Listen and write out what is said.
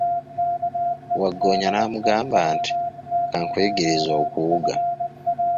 Waggoonya n'amugamba nti, kankuyigirize okuwuga.